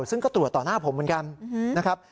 ซึ่งก็ตรวจต่อหน้าผมเหมือนกันนะครับ